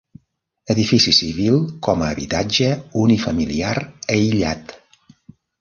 Edifici civil com a habitatge unifamiliar aïllat.